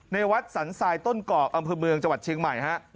ในวัดสันทรายต้นกอกอำเภอเมืองจังหวัดเชียงใหม่ฮะ